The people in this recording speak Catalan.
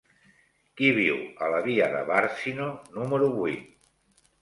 Qui viu a la via de Bàrcino número vuit?